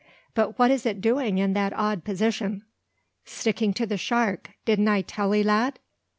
But what is it doing in that odd position?" "Sticking to the shark, didn't I tell 'ee, lad!"